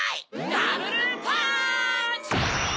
ダブルパンチ！